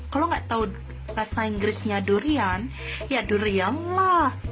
kalau nggak tahu rasa inggrisnya durian ya durian lah